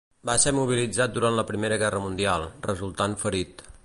Va ser mobilitzat durant la Primera Guerra Mundial, resultant ferit.